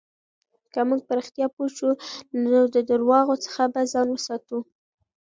که موږ په رښتیا پوه شو، نو د درواغو څخه به ځان ساتو.